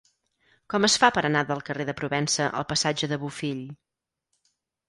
Com es fa per anar del carrer de Provença al passatge de Bofill?